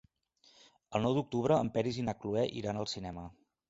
El nou d'octubre en Peris i na Cloè iran al cinema.